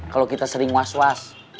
kalau kita sering was was